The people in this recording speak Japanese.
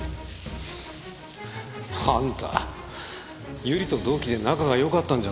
あんた百合と同期で仲が良かったんじゃないのかよ？